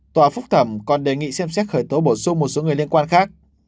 tòa phúc thẩm còn đề nghị xem xét khởi tố bổ sung một số người liên quan khác